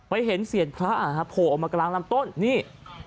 เห็นเสียนพระโผล่ออกมากลางลำต้นนี่